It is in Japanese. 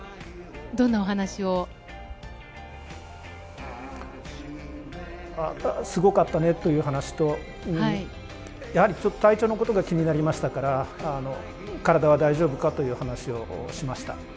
どんなお話を？すごかったねという話と体調のことが気になりましたから体は大丈夫だったかという話をしました。